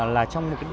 là trong một cái